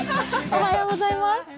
おはようございます。